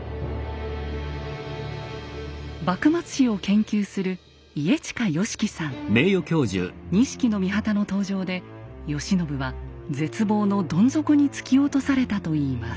幕末史を研究する錦の御旗の登場で慶喜は絶望のどん底に突き落とされたといいます。